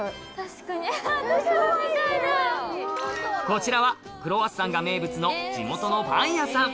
こちらはクロワッサンが名物の地元のパン屋さん